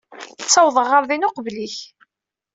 Ttawḍeɣ ɣer din uqbel-ik.